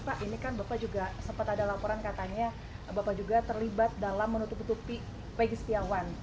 pak ini kan bapak juga sempat ada laporan katanya bapak juga terlibat dalam menutup tutupi pegi setiawan